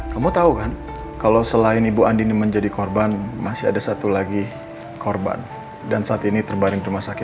kamu tahu kan kalau selain ibu andin menjadi korban masih ada satu lagi korban dan saat ini terbaring rumah sakit